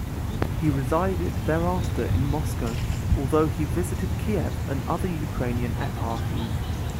He resided thereafter in Moscow, although he visited Kiev and other Ukrainian eparchies.